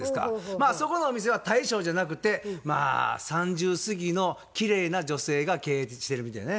まあそこのお店は大将じゃなくてまあ３０過ぎのきれいな女性が経営してるみたいなね。